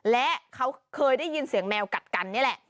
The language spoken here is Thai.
และเขาเคยได้ยินเสียงแมวกัดกันนี่แหละ